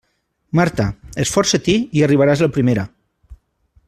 Marta, esforça-t'hi i arribaràs la primera.